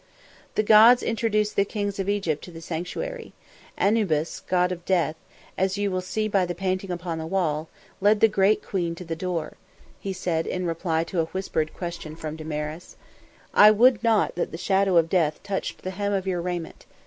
"The gods introduced the kings of Egypt to the sanctuary. Anubis god of Death, as you will see by the painting upon the wall, led the great queen to the door," he said in reply to a whispered question from Damaris. "I would not that the shadow of death touched the hem of your raiment.